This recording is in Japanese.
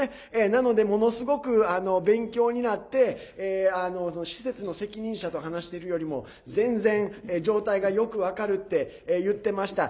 なので、ものすごく勉強になって施設の責任者と話しているよりも全然、状態がよく分かるって言ってました。